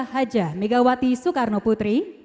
haja megawati soekarno putri